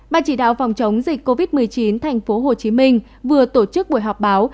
ban chỉ đạo phòng chống dịch covid một mươi chín tp hcm vừa tổ chức buổi họp báo